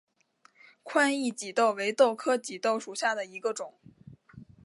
宽翼棘豆为豆科棘豆属下的一个种。